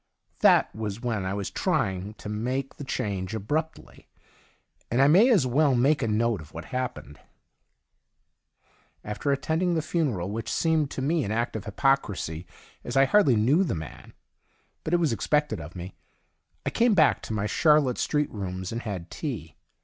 That was when I was trying to make 8 THE DIARY OF A GOD the change abruptly, and I may as well make a note of what happened. After attending the funeral (which seemed to me an act of hypocrisy, as I hardly knew the man, but it was expected of me), I came back to my Charlotte Street rooms and had tea.